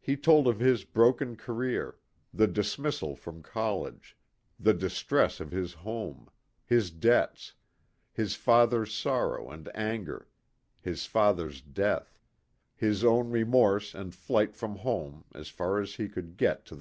He told of his broken career the dismissal from college the distress of his home his debts his father's sorrow and anger his father's death his own remorse and flight from home as far as he could get to 12 THE " DECK HAND.